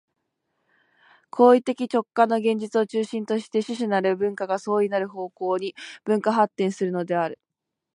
行為的直観の現実を中心として種々なる文化が相異なる方向に分化発展するのである。